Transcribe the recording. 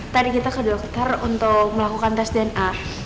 tadi kita ke dokter untuk melakukan tes dna